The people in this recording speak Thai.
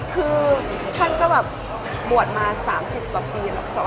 คือท่านก็บ่วนมา๓๐ปีแล้วสมมติว่า๓๐ปีกว่าพันท้าย